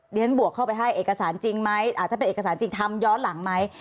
เรียนบวกเข้าไปให้เอกสารจริงไหมถ้าเป็นเอกสารจริงทำย้อนหลังไหม